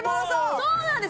そうなんです